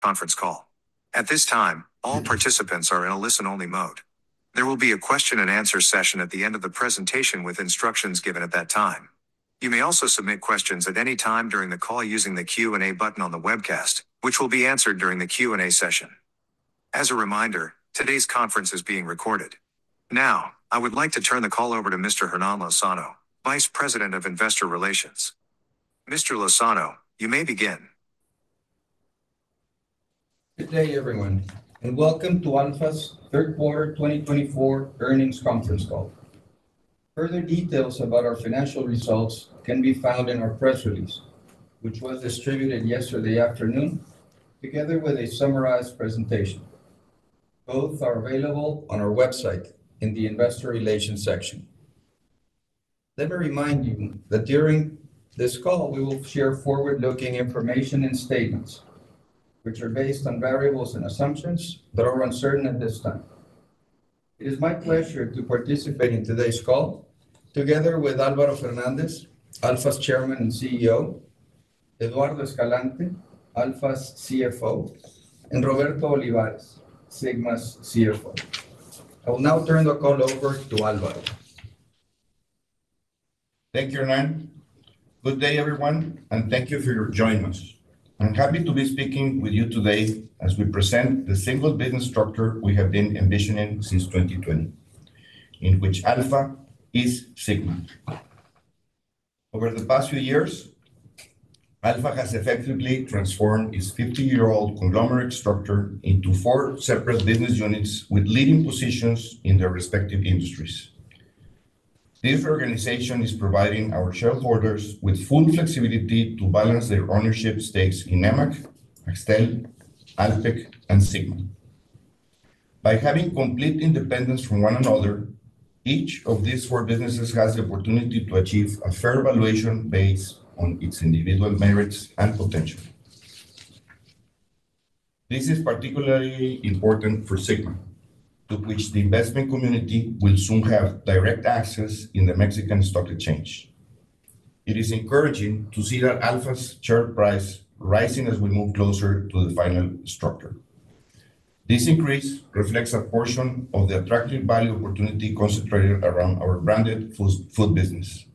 Conference call. At this time, all participants are in a listen-only mode. There will be a question-and-answer session at the end of the presentation with instructions given at that time. You may also submit questions at any time during the call using the Q&A button on the webcast, which will be answered during the Q&A session. As a reminder, today's conference is being recorded. Now, I would like to turn the call over to Mr. Hernán Lozano, Vice President of Investor Relations. Mr. Lozano, you may begin. Good day, everyone, and welcome to Alfa's Third Quarter 2024 Earnings Conference Call. Further details about our financial results can be found in our press release, which was distributed yesterday afternoon together with a summarized presentation. Both are available on our website in the Investor Relations section. Let me remind you that during this call, we will share forward-looking information and statements, which are based on variables and assumptions that are uncertain at this time. It is my pleasure to participate in today's call together with Álvaro Fernández, Alfa's Chairman and CEO; Eduardo Escalante, Alfa's CFO; and Roberto Olivares, Sigma's CFO. I will now turn the call over to Álvaro. Thank you, Hernán. Good day, everyone, and thank you for joining us. I'm happy to be speaking with you today as we present the single business structure we have been envisioning since 2020, in which Alfa is Sigma. Over the past few years, Alfa has effectively transformed its 50-year-old conglomerate structure into four separate business units with leading positions in their respective industries. This organization is providing our shareholders with full flexibility to balance their ownership stakes in Nemak, Axtel, Alpek, and Sigma. By having complete independence from one another, each of these four businesses has the opportunity to achieve a fair valuation based on its individual merits and potential. This is particularly important for Sigma, to which the investment community will soon have direct access in the Mexican Stock Exchange. It is encouraging to see that Alfa's share price rising as we move closer to the final structure. This increase reflects a portion of the attractive value opportunity concentrated around our branded food business.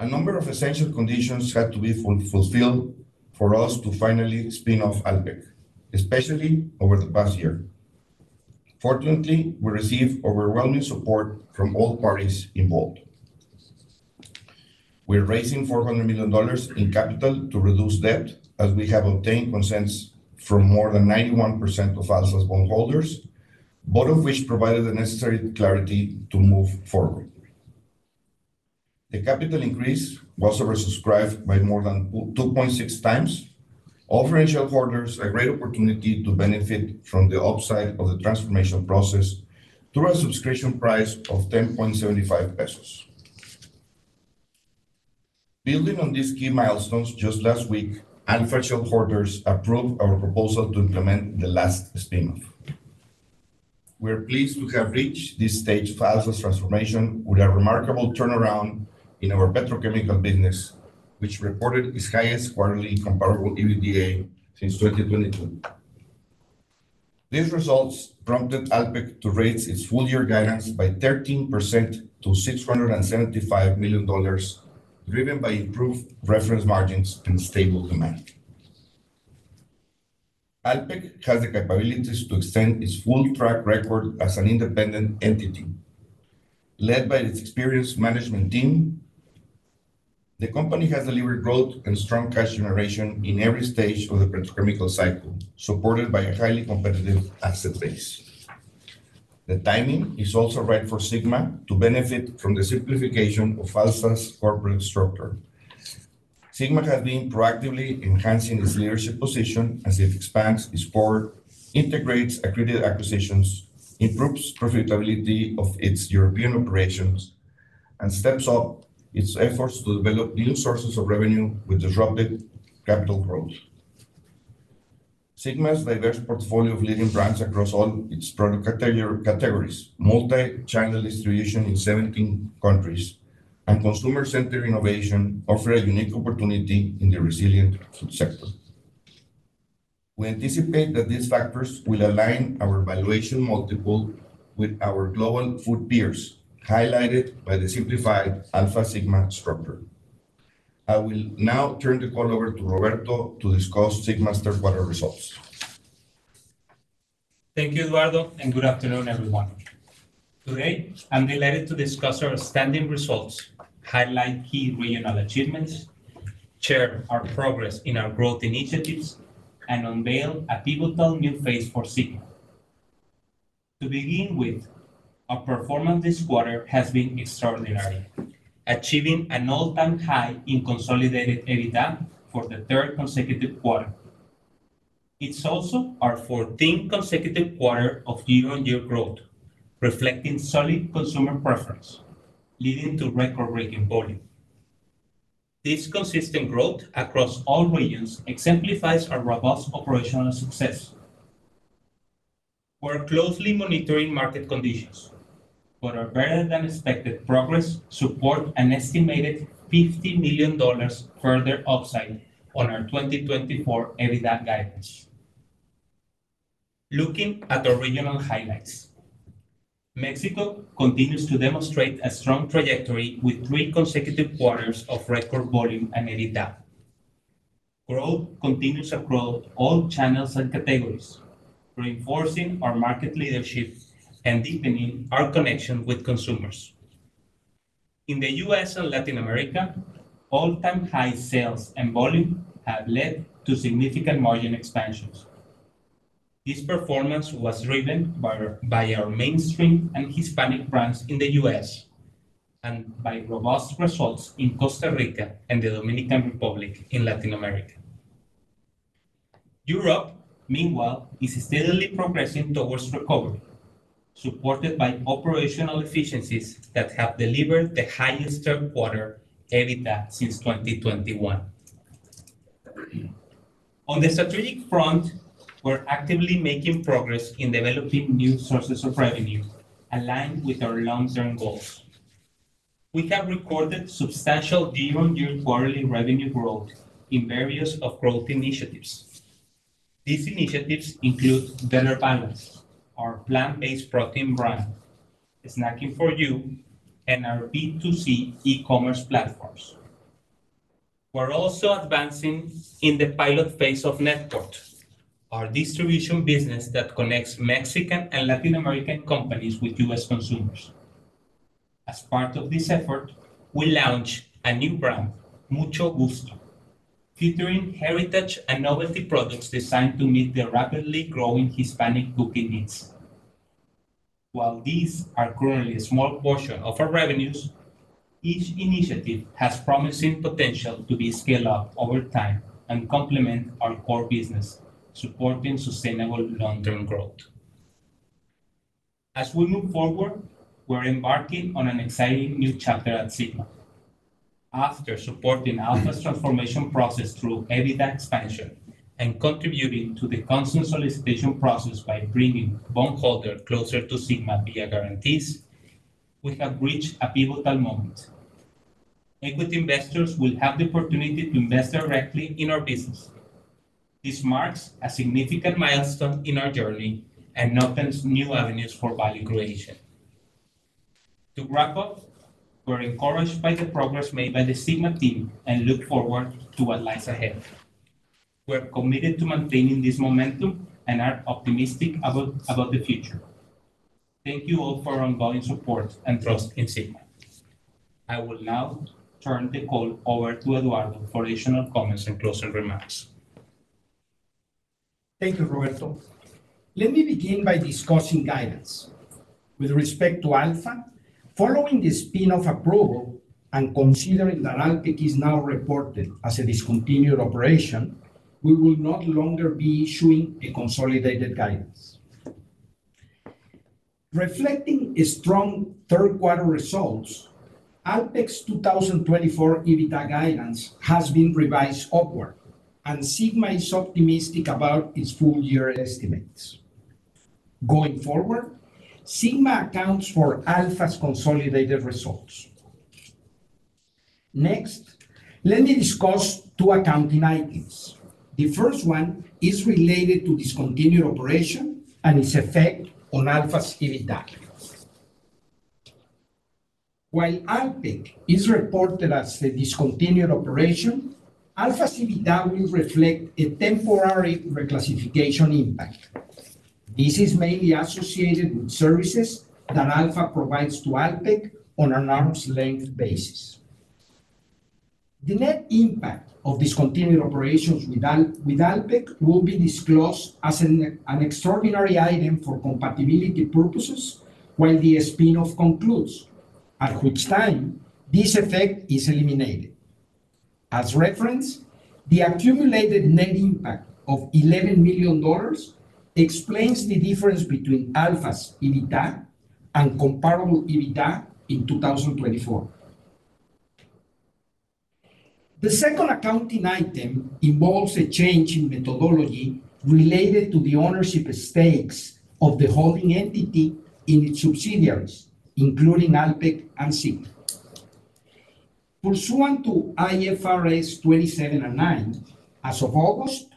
A number of essential conditions had to be fulfilled for us to finally spin off Alpek, especially over the past year. Fortunately, we received overwhelming support from all parties involved. We are raising $400 million in capital to reduce debt as we have obtained consents from more than 91% of Alfa bondholders, both of which provided the necessary clarity to move forward. The capital increase was oversubscribed by more than 2.6x, offering shareholders a great opportunity to benefit from the upside of the transformation process through a subscription price of $10.75. Building on these key milestones just last week, Alfa shareholders approved our proposal to implement the last spin-off. We are pleased to have reached this stage of Alfa's transformation with a remarkable turnaround in our petrochemical business, which reported its highest quarterly comparable EBITDA since 2022. These results prompted Alpek to raise its full-year guidance by 13% to $675 million, driven by improved reference margins and stable demand. Alpek has the capabilities to extend its full track record as an independent entity. Led by its experienced management team, the company has delivered growth and strong cash generation in every stage of the petrochemical cycle, supported by a highly competitive asset base. The timing is also right for Sigma to benefit from the simplification of Alfa's corporate structure. Sigma has been proactively enhancing its leadership position as it expands its core, integrates accretive acquisitions, improves profitability of its European operations, and steps up its efforts to develop new sources of revenue with disruptive capital growth. Sigma's diverse portfolio of leading brands across all its product categories, multi-channel distribution in 17 countries, and consumer-centered innovation offer a unique opportunity in the resilient food sector. We anticipate that these factors will align our valuation multiple with our global food peers, highlighted by the simplified Alfa-Sigma structure. I will now turn the call over to Roberto to discuss Sigma's third-quarter results. Thank you, Eduardo, and good afternoon, everyone. Today, I'm delighted to discuss our standing results, highlight key regional achievements, share our progress in our growth initiatives, and unveil a pivotal new phase for Sigma. To begin with, our performance this quarter has been extraordinary, achieving an all-time high in consolidated EBITDA for the third consecutive quarter. It's also our 14th consecutive quarter of year-on-year growth, reflecting solid consumer preference, leading to record-breaking volume. This consistent growth across all regions exemplifies our robust operational success. We're closely monitoring market conditions, but our better-than-expected progress supports an estimated $50 million further upside on our 2024 EBITDA guidance. Looking at our regional highlights, Mexico continues to demonstrate a strong trajectory with three consecutive quarters of record volume and EBITDA. Growth continues across all channels and categories, reinforcing our market leadership and deepening our connection with consumers. In the U.S. and Latin America, all-time high sales and volume have led to significant margin expansions. This performance was driven by our mainstream and Hispanic brands in the U.S. and by robust results in Costa Rica and the Dominican Republic in Latin America. Europe, meanwhile, is steadily progressing towards recovery, supported by operational efficiencies that have delivered the highest third-quarter EBITDA since 2021. On the strategic front, we're actively making progress in developing new sources of revenue aligned with our long-term goals. We have recorded substantial year-on-year quarterly revenue growth in various growth initiatives. These initiatives include Better Balance, our plant-based protein brand, Snacking for You, and our B2C e-commerce platforms. We're also advancing in the pilot phase of NetPort, our distribution business that connects Mexican and Latin American companies with U.S. consumers. As part of this effort, we launched a new brand, Mucho Gusto, featuring heritage and novelty products designed to meet the rapidly growing Hispanic cooking needs. While these are currently a small portion of our revenues, each initiative has promising potential to be scaled up over time and complement our core business, supporting sustainable long-term growth. As we move forward, we're embarking on an exciting new chapter at Sigma. After supporting Alfa's transformation process through EBITDA expansion and contributing to the consent solicitation process by bringing bondholders closer to Sigma via guarantees, we have reached a pivotal moment. Equity investors will have the opportunity to invest directly in our business. This marks a significant milestone in our journey and opens new avenues for value creation. To wrap up, we're encouraged by the progress made by the Sigma team and look forward to what lies ahead. We're committed to maintaining this momentum and are optimistic about the future. Thank you all for our ongoing support and trust in Sigma. I will now turn the call over to Eduardo for additional comments and closing remarks. Thank you, Roberto. Let me begin by discussing guidance. With respect to Alfa, following the spin-off approval and considering that Alpek is now reported as a discontinued operation, we will no longer be issuing a consolidated guidance. Reflecting strong third-quarter results, Alpek's 2024 EBITDA guidance has been revised upward, and Sigma is optimistic about its full-year estimates. Going forward, Sigma accounts for Alfa's consolidated results. Next, let me discuss two accounting items. The first one is related to discontinued operation and its effect on Alfa's EBITDA. While Alpek is reported as a discontinued operation, Alfa's EBITDA will reflect a temporary reclassification impact. This is mainly associated with services that Alfa provides to Alpek on an arm's length basis. The net impact of discontinued operations with Alpek will be disclosed as an extraordinary item for compatibility purposes while the spin-off concludes, at which time this effect is eliminated. As reference, the accumulated net impact of $11 million explains the difference between Alfa's EBITDA and comparable EBITDA in 2024. The second accounting item involves a change in methodology related to the ownership stakes of the holding entity in its subsidiaries, including Alpek and Sigma. Pursuant to IFRS 9, as of August,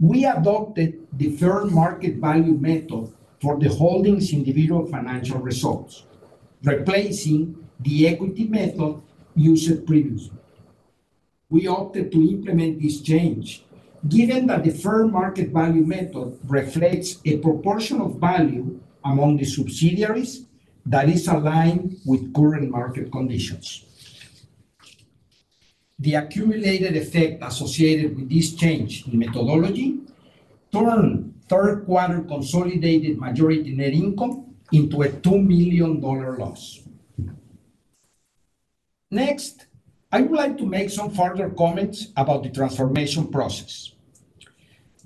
we adopted the fair market value method for the holding's individual financial results, replacing the equity method used previously. We opted to implement this change, given that the fair market value method reflects a proportion of value among the subsidiaries that is aligned with current market conditions. The accumulated effect associated with this change in methodology turned third-quarter consolidated majority net income into a $2 million loss. Next, I would like to make some further comments about the transformation process.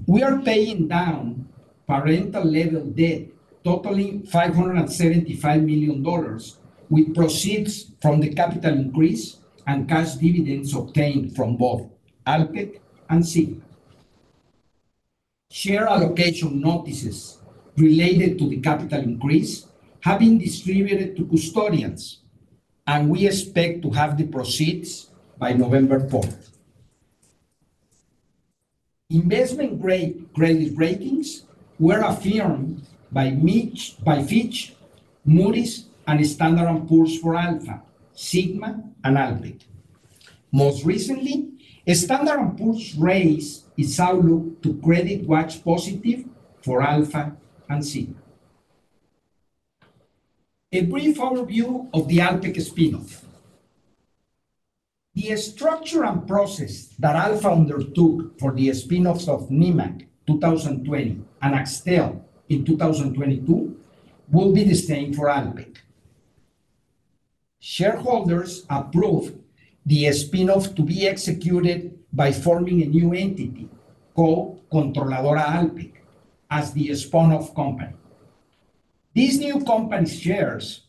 We are paying down parental-level debt totaling $575 million with proceeds from the capital increase and cash dividends obtained from both Alpek and Sigma. Share allocation notices related to the capital increase have been distributed to custodians, and we expect to have the proceeds by November 4th. Investment-grade credit ratings were affirmed by Fitch, Moody's, and Standard & Poor's for Alfa, Sigma, and Alpek. Most recently, Standard & Poor's raised its outlook to positive for Alfa and Sigma. A brief overview of the Alpek spin-off. The structure and process that Alfa undertook for the spin-offs of Nemak 2020 and Axtel in 2022 will be the same for Alpek. Shareholders approved the spin-off to be executed by forming a new entity called Controladora Alpek as the spinoff company. These new company shares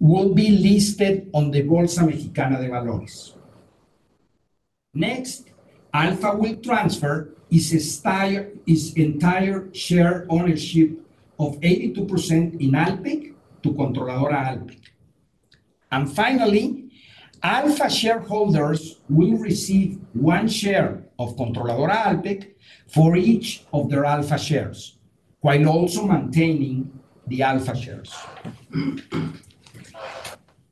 will be listed on the Bolsa Mexicana de Valores. Next, Alfa will transfer its entire share ownership of 82% in Alpek to Controladora Alpek. And finally, Alfa shareholders will receive one share of Controladora Alpek for each of their Alfa shares, while also maintaining the Alfa shares.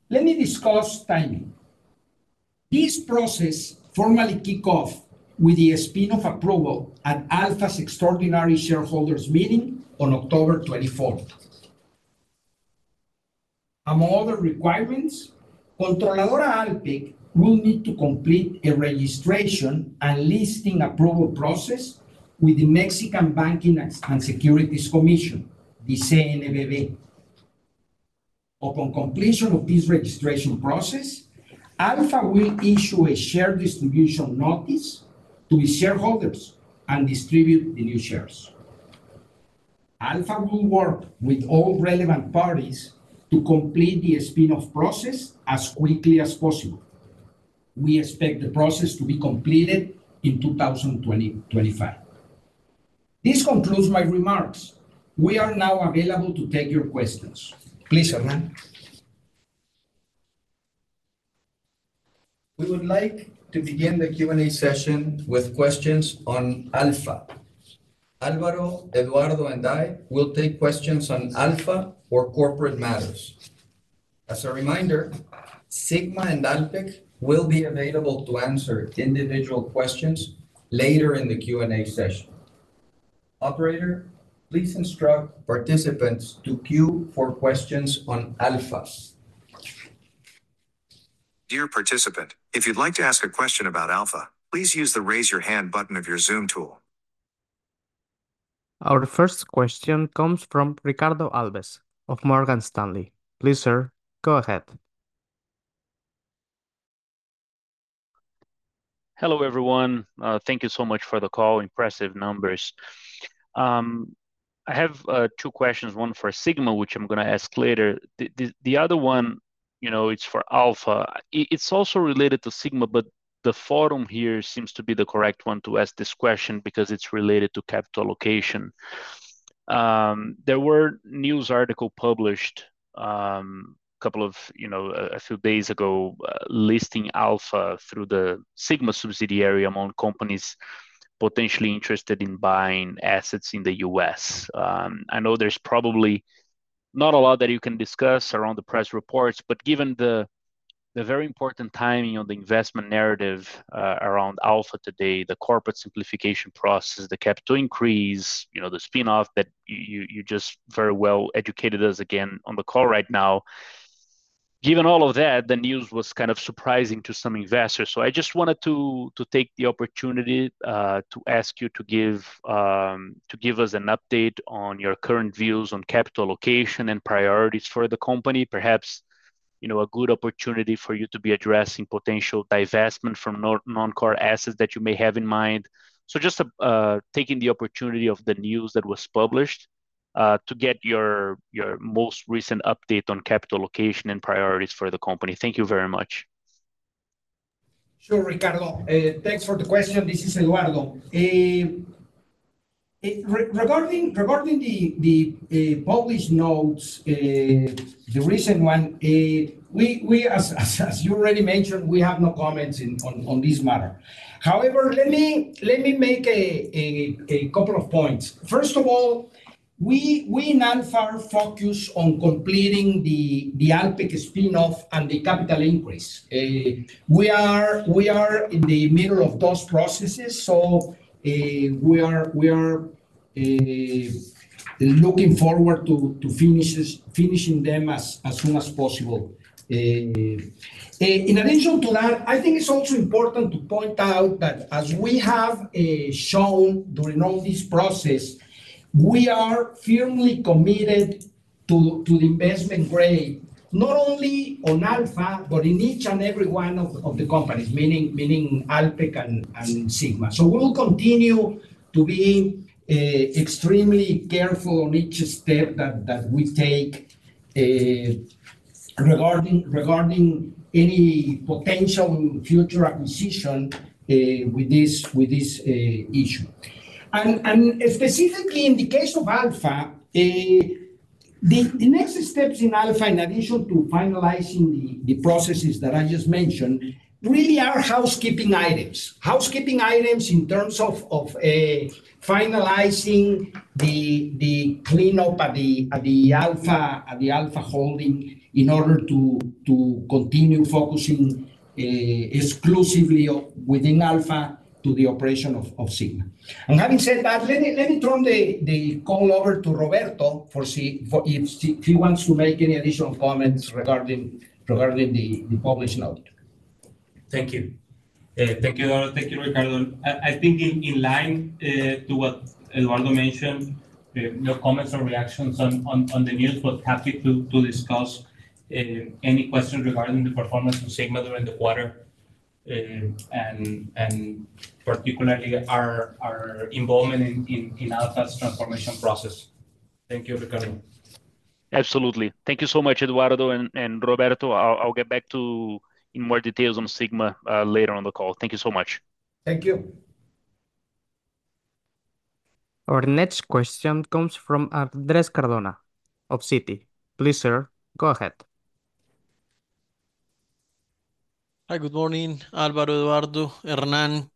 Let me discuss timing. This process formally kicks off with the spin-off approval at Alfa's extraordinary shareholders' meeting on October 24th. Among other requirements, Controladora Alpek will need to complete a registration and listing approval process with the Mexican Banking and Securities Commission, the CNBV. Upon completion of this registration process, Alfa will issue a share distribution notice to its shareholders and distribute the new shares. Alfa will work with all relevant parties to complete the spin-off process as quickly as possible. We expect the process to be completed in 2025. This concludes my remarks. We are now available to take your questions. Please, Hernán. We would like to begin the Q&A session with questions on Alfa. Álvaro, Eduardo, and I will take questions on Alfa or corporate matters. As a reminder, Sigma and Alpek will be available to answer individual questions later in the Q&A session. Operator, please instruct participants to queue for questions on Alfa's. Dear participant, if you'd like to ask a question about Alfa, please use the raise-your-hand button of your Zoom tool. Our first question comes from Ricardo Alves of Morgan Stanley. Please, sir, go ahead. Hello, everyone. Thank you so much for the call. Impressive numbers. I have two questions, one for Sigma, which I'm going to ask later. The other one, you know, it's for Alfa. It's also related to Sigma, but the forum here seems to be the correct one to ask this question because it's related to capital allocation. There were news articles published a couple of, you know, a few days ago listing Alfa through the Sigma subsidiary among companies potentially interested in buying assets in the U.S. I know there's probably not a lot that you can discuss around the press reports, but given the very important timing on the investment narrative around Alfa today, the corporate simplification process, the capital increase, you know, the spin-off that you just very well educated us again on the call right now. Given all of that, the news was kind of surprising to some investors, so I just wanted to take the opportunity to ask you to give us an update on your current views on capital allocation and priorities for the company, perhaps, you know, a good opportunity for you to be addressing potential divestment from non-core assets that you may have in mind, so just taking the opportunity of the news that was published to get your most recent update on capital allocation and priorities for the company. Thank you very much. Sure, Ricardo. Thanks for the question. This is Eduardo. Regarding the published notes, the recent one, as you already mentioned, we have no comments on this matter. However, let me make a couple of points. First of all, we in Alfa are focused on completing the Alpek spin-off and the capital increase. We are in the middle of those processes, so we are looking forward to finishing them as soon as possible. In addition to that, I think it's also important to point out that as we have shown during all this process, we are firmly committed to the investment grade, not only on Alfa, but in each and every one of the companies, meaning Alpek and Sigma. So we will continue to be extremely careful on each step that we take regarding any potential future acquisition with this issue. Specifically in the case of Alfa, the next steps in Alfa, in addition to finalizing the processes that I just mentioned, really are housekeeping items. Housekeeping items in terms of finalizing the cleanup at the Alfa holding in order to continue focusing exclusively within Alfa to the operation of Sigma. Having said that, let me turn the call over to Roberto if he wants to make any additional comments regarding the published note. Thank you. Thank you, Eduardo. Thank you, Ricardo. I think in line to what Eduardo mentioned, no comments or reactions on the news, but happy to discuss any questions regarding the performance of Sigma during the quarter and particularly our involvement in Alfa's transformation process. Thank you, Ricardo. Absolutely. Thank you so much, Eduardo and Roberto. I'll get back to you in more details on Sigma later on the call. Thank you so much. Thank you. Our next question comes from Andrés Cardona of Citi. Please, sir, go ahead. Hi, good morning, Álvaro, Eduardo, Hernán.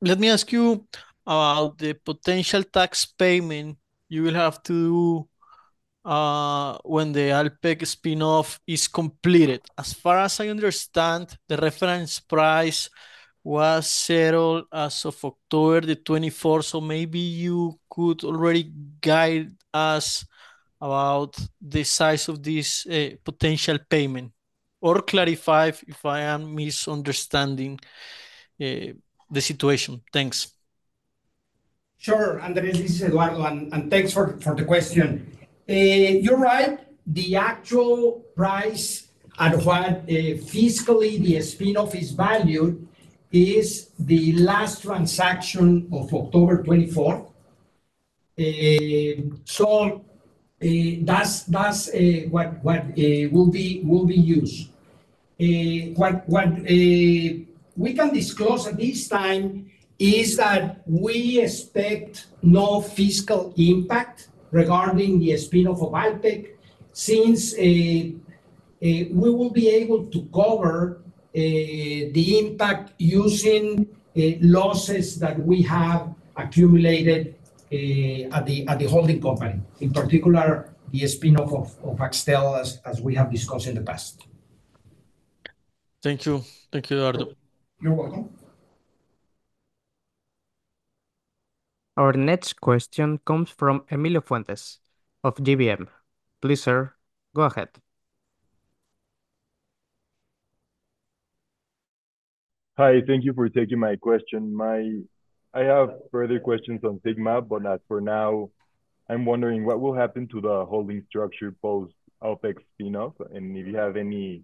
Let me ask you about the potential tax payment you will have to do when the Alpek spin-off is completed. As far as I understand, the reference price was settled as of October the 24th, so maybe you could already guide us about the size of this potential payment or clarify if I am misunderstanding the situation. Thanks. Sure. Andrés, it's Eduardo, and thanks for the question. You're right. The actual price at what fiscally the spin-off is valued is the last transaction of October 24th, so that's what will be used. What we can disclose at this time is that we expect no fiscal impact regarding the spin-off of Alpek since we will be able to cover the impact using losses that we have accumulated at the holding company, in particular the spin-off of Axtel, as we have discussed in the past. Thank you. Thank you, Eduardo. You're welcome. Our next question comes from Emilio Fuentes of GBM. Please, sir, go ahead. Hi. Thank you for taking my question. I have further questions on Sigma, but for now, I'm wondering what will happen to the holding structure post-Alpek spin-off, and if you have any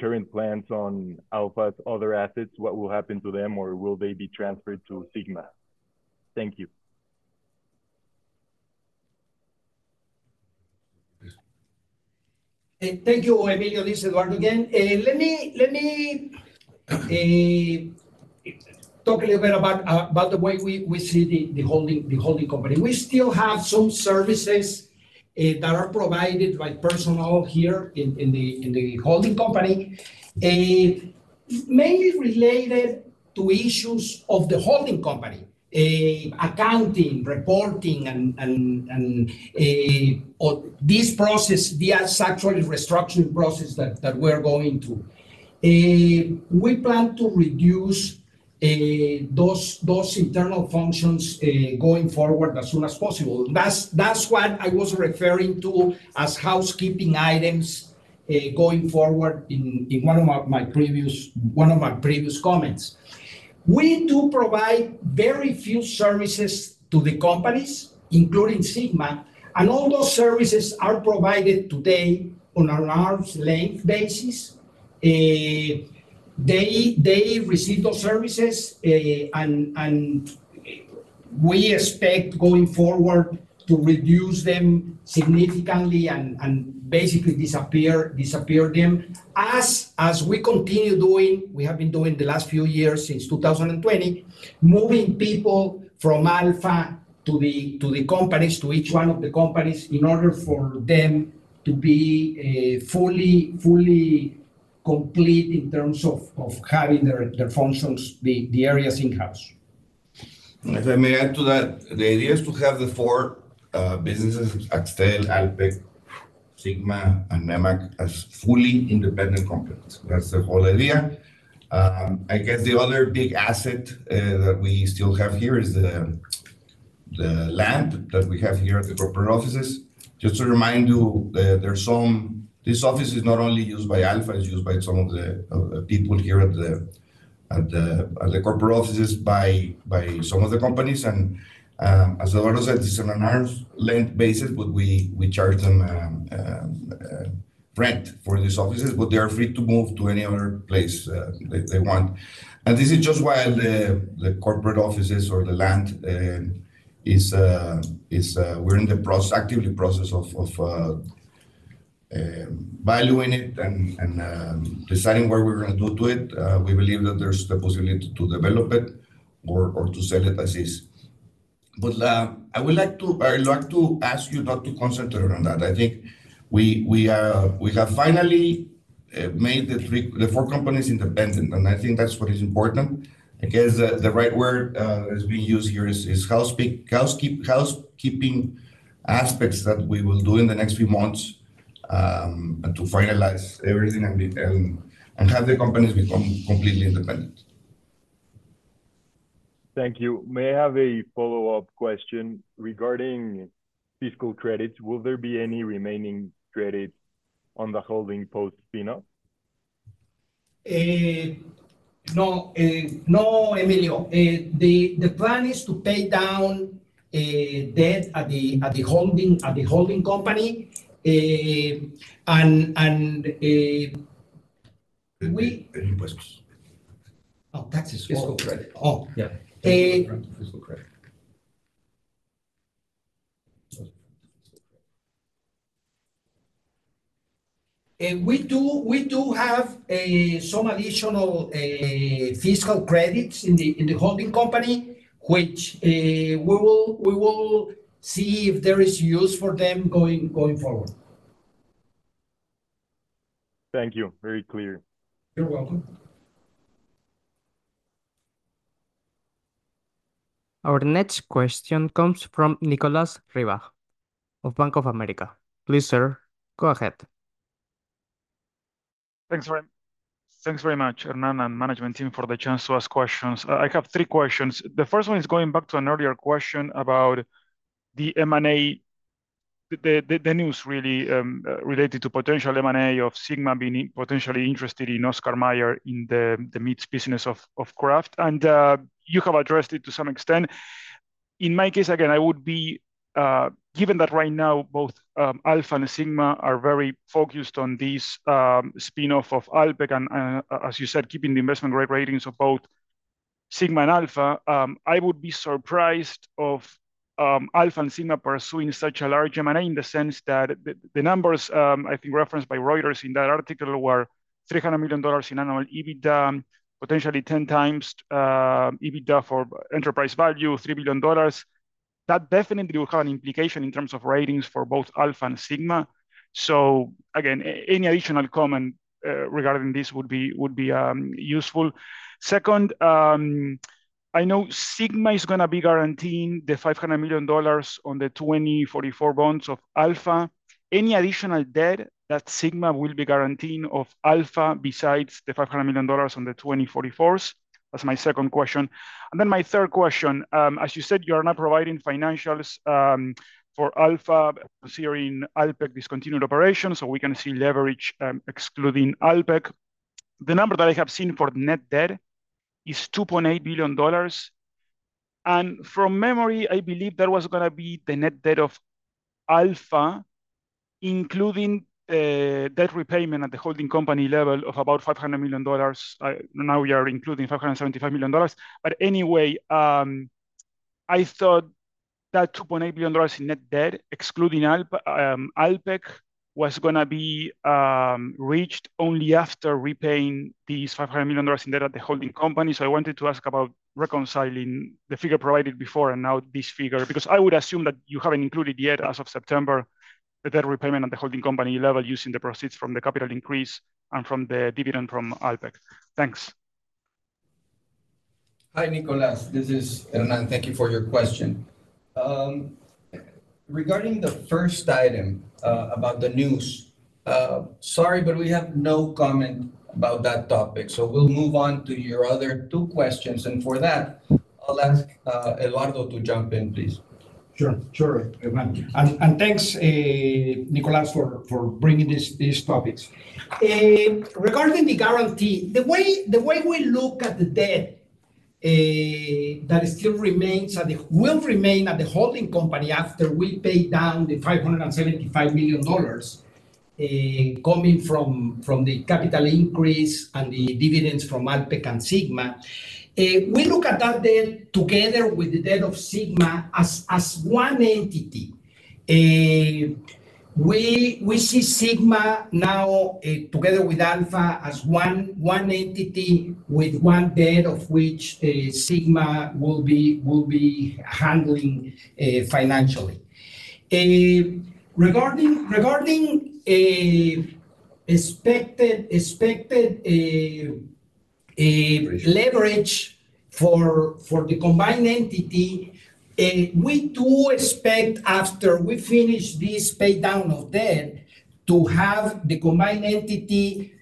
current plans on Alfa's other assets, what will happen to them, or will they be transferred to Sigma? Thank you. Thank you, Emilio Fuentes, Eduardo, again. Let me talk a little bit about the way we see the holding company. We still have some services that are provided by personnel here in the holding company, mainly related to issues of the holding company, accounting, reporting, and this process, the actual restructuring process that we're going through. We plan to reduce those internal functions going forward as soon as possible. That's what I was referring to as housekeeping items going forward in one of my previous comments. We do provide very few services to the companies, including Sigma, and all those services are provided today on an hourly basis. They receive those services, and we expect going forward to reduce them significantly and basically disappear them as we continue doing what we have been doing the last few years since 2020, moving people from Alfa to the companies, to each one of the companies, in order for them to be fully complete in terms of having their functions, the areas in-house. If I may add to that, the idea is to have the four businesses: Axtel, Alpek, Sigma, and Nemak as fully independent companies. That's the whole idea. I guess the other big asset that we still have here is the land that we have here at the corporate offices. Just to remind you, these offices are not only used by Alfa. It's used by some of the people here at the corporate offices by some of the companies. As Eduardo said, it's on an arm's length basis, but we charge them rent for these offices, but they are free to move to any other place they want. This is just while the corporate offices or the land. We're in the active process of valuing it and deciding what we're going to do to it. We believe that there's the possibility to develop it or to sell it as is. But I would like to ask you not to concentrate on that. I think we have finally made the four companies independent, and I think that's what is important. I guess the right word that is being used here is housekeeping aspects that we will do in the next few months to finalize everything and have the companies become completely independent. Thank you. May I have a follow-up question? Regarding fiscal credits, will there be any remaining credit on the holding post spin-off? No, Emilio. The plan is to pay down debt at the holding company and we. Oh, taxes. Fiscal credit. Oh, yeah. We do have some additional fiscal credits in the holding company, which we will see if there is use for them going forward. Thank you. Very clear. You're welcome. Our next question comes from Nicolas Riva of Bank of America. Please, sir, go ahead. Thanks very much, Hernán, and management team for the chance to ask questions. I have three questions. The first one is going back to an earlier question about the M&A, the news really related to potential M&A of Sigma being potentially interested in Oscar Mayer in the meats business of Kraft, and you have addressed it to some extent. In my case, again, I would be, given that right now both Alfa and Sigma are very focused on this spin-off of Alpek, and as you said, keeping the investment grade ratings of both Sigma and Alfa, I would be surprised of Alfa and Sigma pursuing such a large M&A in the sense that the numbers I think referenced by Reuters in that article were $300 million in annual EBITDA, potentially 10x EBITDA for enterprise value, $3 billion. That definitely will have an implication in terms of ratings for both Alfa and Sigma. So again, any additional comment regarding this would be useful. Second, I know Sigma is going to be guaranteeing the $500 million on the 2044 bonds of Alfa. Any additional debt that Sigma will be guaranteeing of Alfa besides the $500 million on the 2044s? That's my second question. And then my third question, as you said, you are not providing financials for Alfa considering Alpek discontinued operations, so we can see leverage excluding Alpek. The number that I have seen for net debt is $2.8 billion. And from memory, I believe that was going to be the net debt of Alfa, including debt repayment at the holding company level of about $500 million. Now we are including $575 million. But anyway, I thought that $2.8 billion in net debt, excluding Alpek, was going to be reached only after repaying these $500 million in debt at the holding company. So I wanted to ask about reconciling the figure provided before and now this figure, because I would assume that you haven't included yet as of September the debt repayment at the holding company level using the proceeds from the capital increase and from the dividend from Alpek. Thanks. Hi, Nicolas. This is Hernán. Thank you for your question. Regarding the first item about the news, sorry, but we have no comment about that topic. So we'll move on to your other two questions, and for that, I'll ask Eduardo to jump in, please. Sure. Sure Hernán. And thanks, Nicolas, for bringing these topics. Regarding the guarantee, the way we look at the debt that still remains and will remain at the holding company after we pay down the $575 million coming from the capital increase and the dividends from Alpek and Sigma, we look at that debt together with the debt of Sigma as one entity. We see Sigma now together with Alfa as one entity with one debt of which Sigma will be handling financially. Regarding expected leverage for the combined entity, we do expect after we finish this pay down of debt to have the combined entity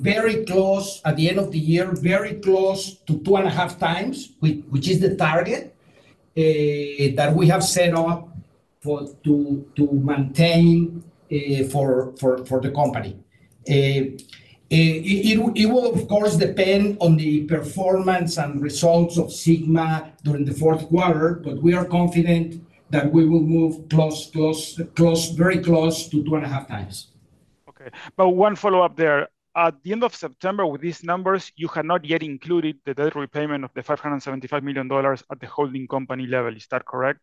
very close at the end of the year, very close to 2.5x, which is the target that we have set up to maintain for the company. It will, of course, depend on the performance and results of Sigma during the fourth quarter, but we are confident that we will move very close to 2.5x. Okay. But one follow-up there. At the end of September, with these numbers, you had not yet included the debt repayment of the $575 million at the holding company level. Is that correct?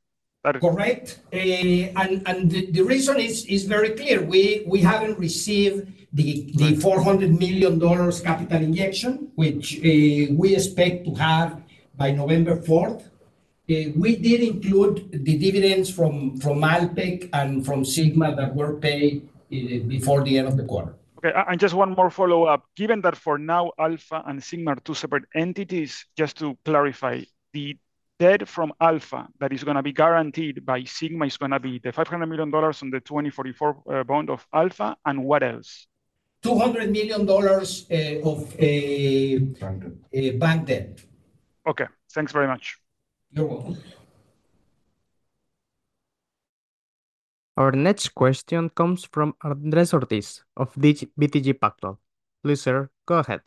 Correct. And the reason is very clear. We haven't received the $400 million capital injection, which we expect to have by November 4th. We did include the dividends from Alpek and from Sigma that were paid before the end of the quarter. Okay. And just one more follow-up. Given that for now, Alfa and Sigma are two separate entities, just to clarify, the debt from Alfa that is going to be guaranteed by Sigma is going to be the $500 million on the 2044 bond of Alfa and what else? $200 million of bank debt. Okay. Thanks very much. You're welcome. Our next question comes from Andrés Ortiz of BTG Pactual. Please, sir, go ahead.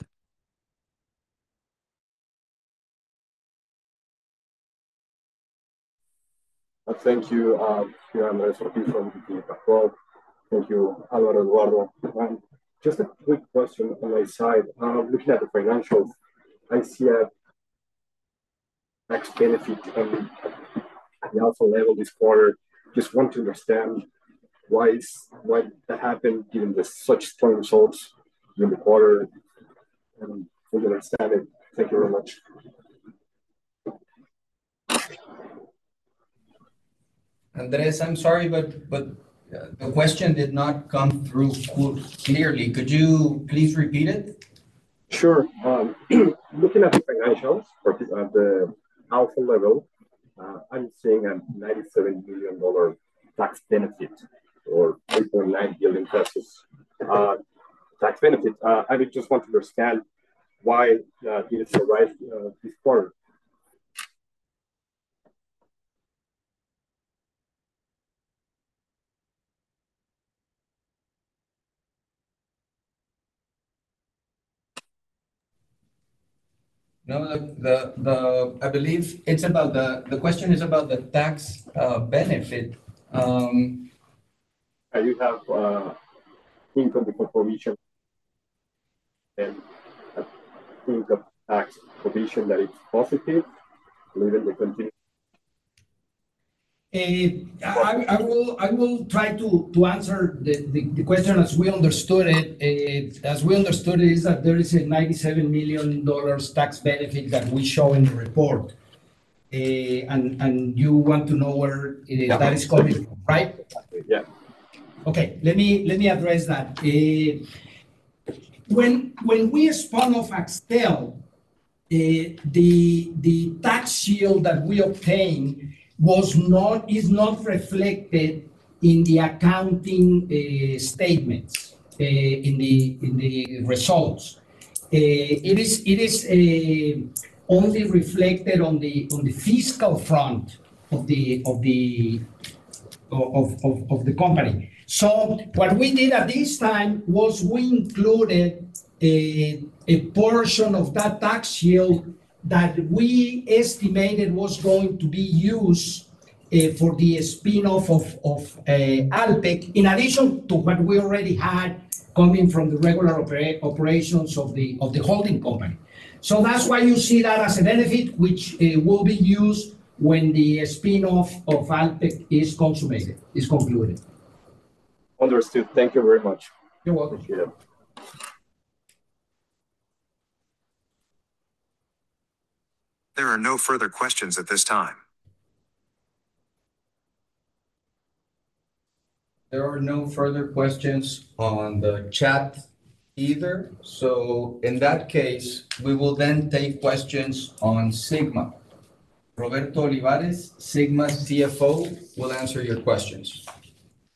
Thank you, Andrés Ortiz from BTG Pactual. Thank you, Álvaro, Eduardo. Just a quick question on my side. Looking at the financials, I see a tax benefit on the Alfa level this quarter. Just want to understand why that happened given such strong results during the quarter. And I understand it. Thank you very much. Andrés, I'm sorry, but the question did not come through clearly. Could you please repeat it? Sure. Looking at the financials at the Alfa level, I'm seeing a $97 million tax benefit or $3.9 billion tax benefit. I just want to understand why this arrived this quarter. No, I believe the question is about the tax benefit. You have income provision and income tax provision that is positive, leaving the continue. I will try to answer the question as we understood it. As we understood it, it is that there is a $97 million tax benefit that we show in the report. And you want to know where that is coming from, right? Yeah. Okay. Let me address that. When we spun off Axtel, the tax shield that we obtained is not reflected in the accounting statements, in the results. It is only reflected on the fiscal front of the company. So what we did at this time was we included a portion of that tax shield that we estimated was going to be used for the spin-off of Alpek in addition to what we already had coming from the regular operations of the holding company. So that's why you see that as a benefit which will be used when the spin-off of Alpek is concluded. Understood. Thank you very much. You're welcome. There are no further questions at this time. There are no further questions on the chat either. So in that case, we will then take questions on Sigma. Roberto Olivares, Sigma CFO, will answer your questions.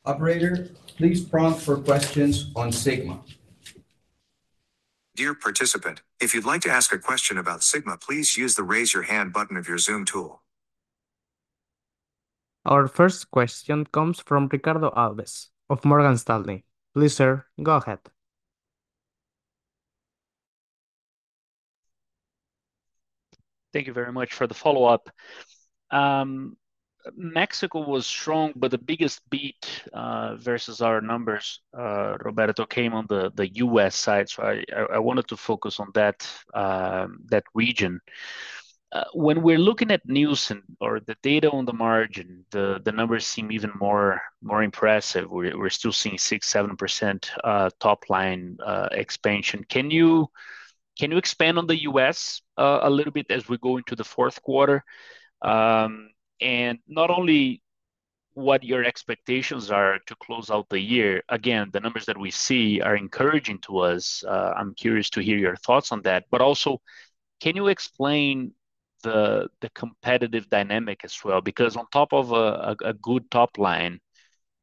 Operator, please prompt for questions on Sigma. Dear participant, if you'd like to ask a question about Sigma, please use the raise your hand button of your Zoom tool. Our first question comes from Ricardo Alves of Morgan Stanley. Please, sir, go ahead. Thank you very much for the follow-up. Mexico was strong, but the biggest beat versus our numbers, Roberto, came on the U.S. side. So I wanted to focus on that region. When we're looking at Nielsen or the data on the margin, the numbers seem even more impressive. We're still seeing 6%-7% top-line expansion. Can you expand on the U.S. a little bit as we go into the fourth quarter? And not only what your expectations are to close out the year. Again, the numbers that we see are encouraging to us. I'm curious to hear your thoughts on that. But also, can you explain the competitive dynamic as well? Because on top of a good top line,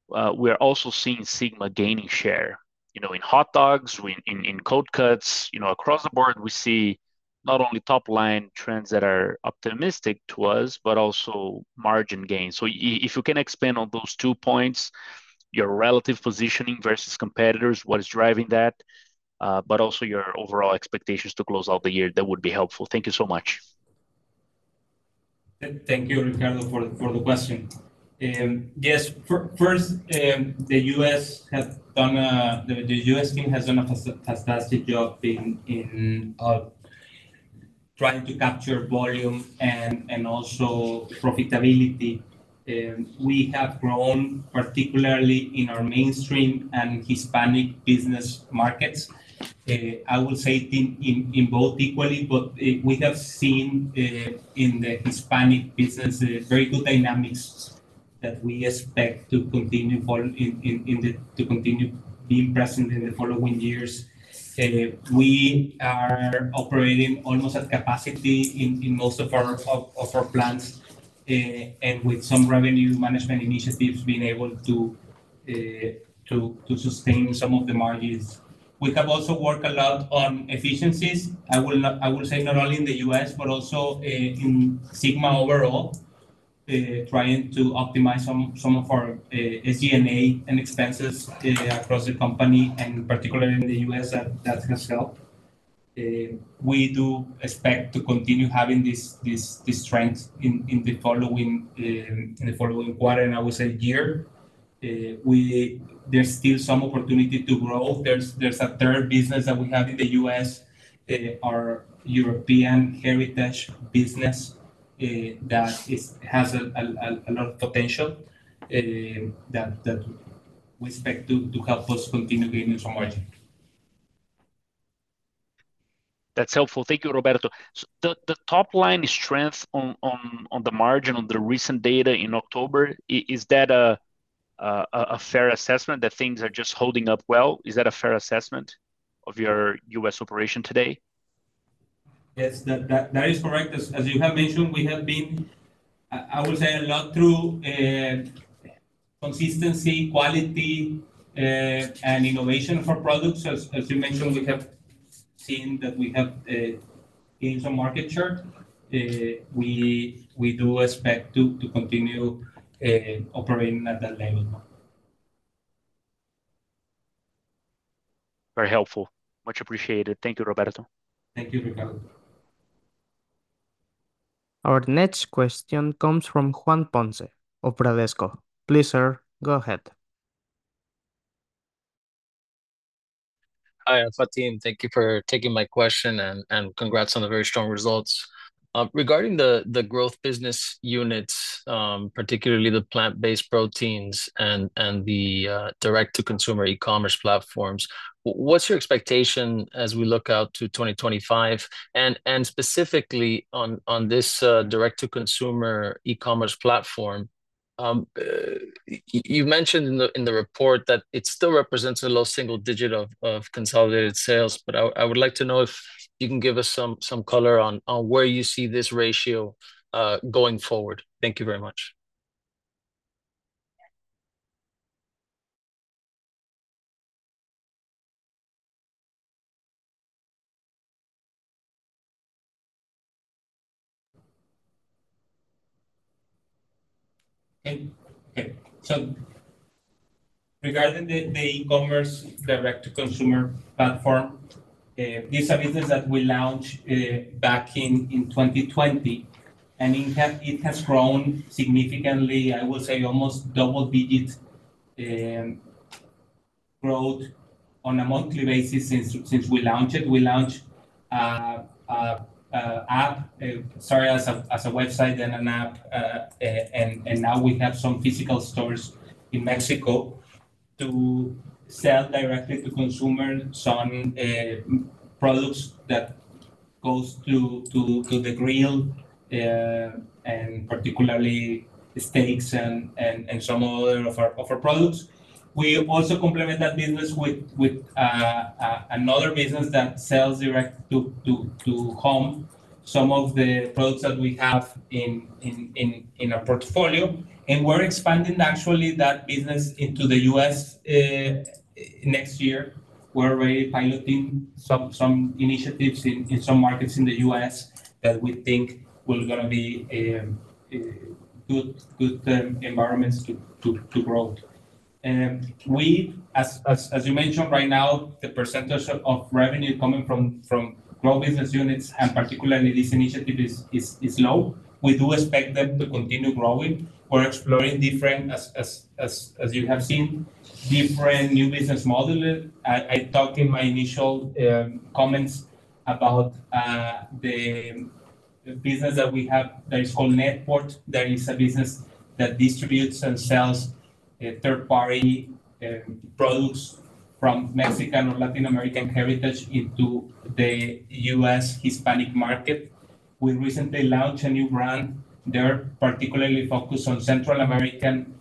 we're also seeing Sigma gaining share in hot dogs, in cold cuts. Across the board, we see not only top-line trends that are optimistic to us, but also margin gains. So if you can expand on those two points, your relative positioning versus competitors, what is driving that, but also your overall expectations to close out the year, that would be helpful. Thank you so much. Thank you, Ricardo, for the question. Yes, first, the U.S. team has done a fantastic job in trying to capture volume and also profitability. We have grown particularly in our mainstream and Hispanic business markets. I will say in both equally, but we have seen in the Hispanic business very good dynamics that we expect to continue being present in the following years. We are operating almost at capacity in most of our plants and with some revenue management initiatives being able to sustain some of the margins. We have also worked a lot on efficiencies. I will say not only in the U.S., but also in Sigma overall, trying to optimize some of our SG&A and expenses across the company. And particularly in the U.S., that has helped. We do expect to continue having this strength in the following quarter and I will say year. There's still some opportunity to grow. There's a third business that we have in the U.S., our European heritage business that has a lot of potential that we expect to help us continue gaining some margin. That's helpful. Thank you, Roberto. The top-line strength and the margin on the recent data in October. Is that a fair assessment that things are just holding up well? Is that a fair assessment of your U.S. operation today? Yes, that is correct. As you have mentioned, we have been, I will say, a lot through consistency, quality, and innovation for products. As you mentioned, we have seen that we have gained some market share. We do expect to continue operating at that level. Very helpful. Much appreciated. Thank you, Roberto. Thank you, Ricardo. Our next question comes from Juan Ponce, Bradesco. Please, sir, go ahead. Hi, Alfa team. Thank you for taking my question and congrats on the very strong results. Regarding the growth business units, particularly the plant-based proteins and the direct-to-consumer e-commerce platforms, what's your expectation as we look out to 2025, and specifically on this direct-to-consumer e-commerce platform, you mentioned in the report that it still represents a low single digit of consolidated sales, but I would like to know if you can give us some color on where you see this ratio going forward. Thank you very much. Okay. So regarding the e-commerce direct-to-consumer platform, it's a business that we launched back in 2020, and it has grown significantly. I will say almost double-digit growth on a monthly basis since we launched it. We launched an app, sorry, as a website and an app, and now we have some physical stores in Mexico to sell directly to consumers on products that go through the grill, and particularly steaks and some other of our products. We also complement that business with another business that sells direct to home, some of the products that we have in our portfolio. And we're expanding actually that business into the U.S. next year. We're already piloting some initiatives in some markets in the U.S. that we think will be good environments to grow. As you mentioned, right now, the percentage of revenue coming from growth business units, and particularly this initiative, is low. We do expect them to continue growing. We're exploring different, as you have seen, different new business models. I talked in my initial comments about the business that we have that is called NetPort. That is a business that distributes and sells third-party products from Mexican or Latin American heritage into the U.S. Hispanic market. We recently launched a new brand there, particularly focused on Central American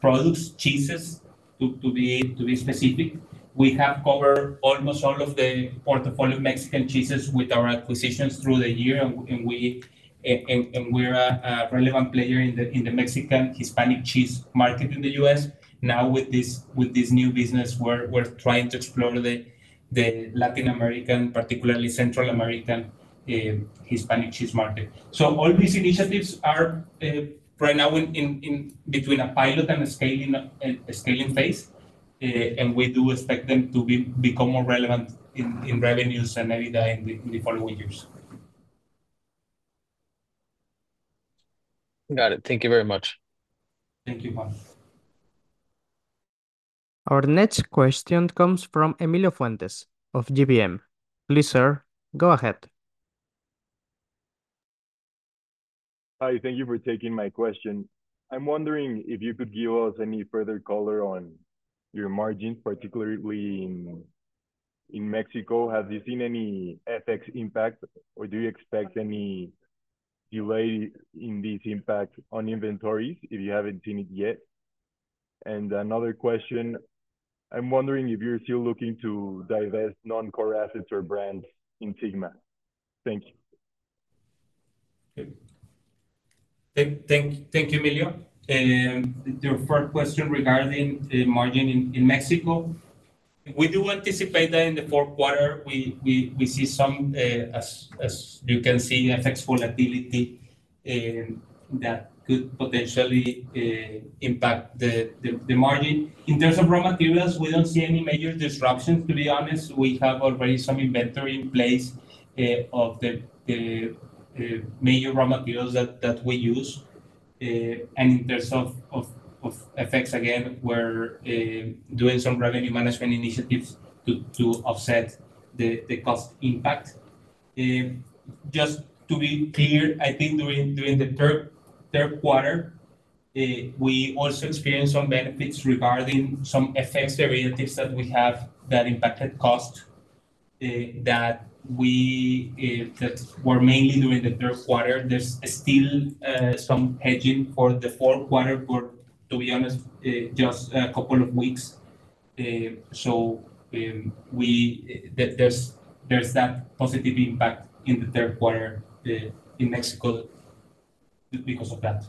products, cheeses, to be specific. We have covered almost all of the portfolio Mexican cheeses with our acquisitions through the year, and we're a relevant player in the Mexican Hispanic cheese market in the U.S. Now, with this new business, we're trying to explore the Latin American, particularly Central American Hispanic cheese market. So all these initiatives are right now between a pilot and a scaling phase, and we do expect them to become more relevant in revenues and maybe in the following years. Got it. Thank you very much. Thank you, Juan. Our next question comes from Emilio Fuentes of GBM. Please, sir, go ahead. Hi. Thank you for taking my question. I'm wondering if you could give us any further color on your margins, particularly in Mexico. Have you seen any FX impact, or do you expect any delay in this impact on inventories if you haven't seen it yet? And another question, I'm wondering if you're still looking to divest non-core assets or brands in Sigma. Thank you. Thank you, Emilio. Your first question regarding margin in Mexico. We do anticipate that in the fourth quarter, we see some, as you can see, FX volatility that could potentially impact the margin. In terms of raw materials, we don't see any major disruptions, to be honest. We have already some inventory in place of the major raw materials that we use, and in terms of FX, again, we're doing some revenue management initiatives to offset the cost impact. Just to be clear, I think during the third quarter, we also experienced some benefits regarding some FX derivatives that we have that impacted cost that were mainly during the third quarter. There's still some hedging for the fourth quarter, to be honest, just a couple of weeks, so there's that positive impact in the third quarter in Mexico because of that.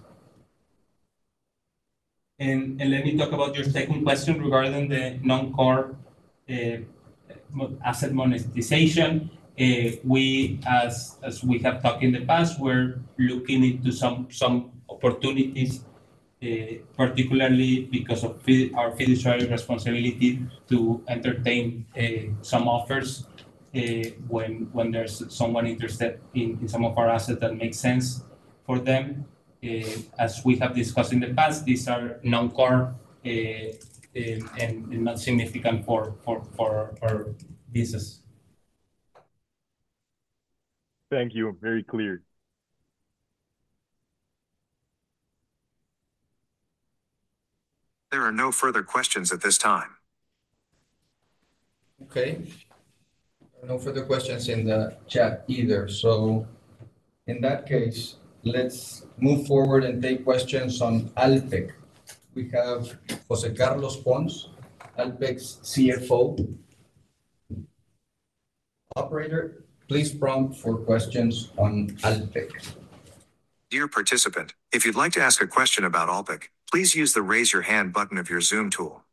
And let me talk about your second question regarding the non-core asset monetization. As we have talked in the past, we're looking into some opportunities, particularly because of our fiduciary responsibility to entertain some offers when there's someone interested in some of our assets that make sense for them. As we have discussed in the past, these are non-core and not significant for our business. Thank you. Very clear. There are no further questions at this time. Okay. No further questions in the chat either. So in that case, let's move forward and take questions on Alpek. We have José Carlos Pons, Alpek's CFO. Operator. Please prompt for questions on Alpek. Dear participant, if you'd like to ask a question about Alpek, please use the raise your hand button of your Zoom tool.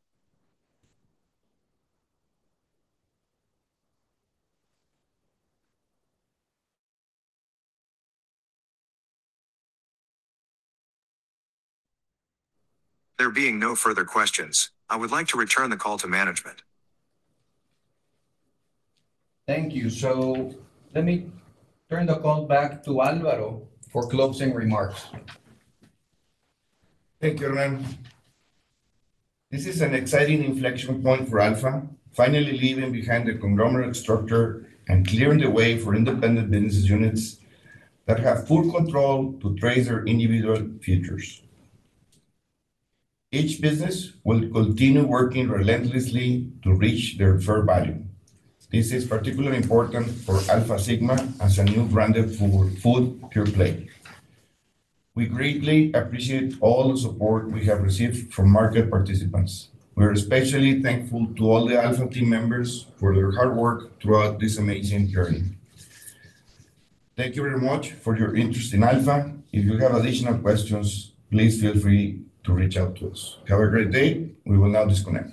There being no further questions, I would like to return the call to management. Thank you. So let me turn the call back to Álvaro for closing remarks. Thank you, Hernán. This is an exciting inflection point for Alfa, finally leaving behind the conglomerate structure and clearing the way for independent business units that have full control to trace their individual futures. Each business will continue working relentlessly to reach their fair value. This is particularly important for Alfa-Sigma as a new branded food pure play. We greatly appreciate all the support we have received from market participants. We are especially thankful to all the Alfa team members for their hard work throughout this amazing journey. Thank you very much for your interest in Alfa. If you have additional questions, please feel free to reach out to us. Have a great day. We will now disconnect.